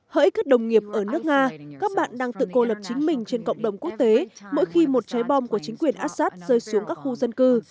hỡi các đồng nghiệp ở nước nga các bạn đang tự cô lập chính mình trên cộng đồng quốc tế mỗi khi một trái bom của chính quyền assad rơi xuống các khu dân cư